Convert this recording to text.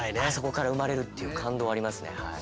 あそこから生まれるっていう感動がありますね。